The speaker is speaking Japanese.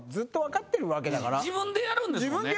・自分でやるんですもんね。